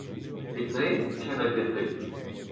Піти чи не піти?